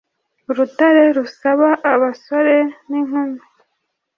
Urutare rusaba abasore ninkumi